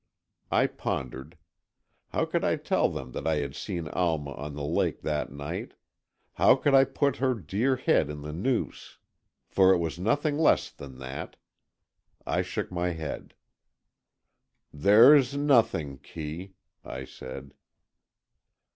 I pondered. How could I tell them that I had seen Alma on the lake that night? How could I put her dear head in the noose?—for it was nothing less than that. I shook my head. "There's nothing, Kee," I said.